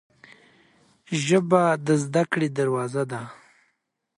ژبه د زده کړې دروازه ده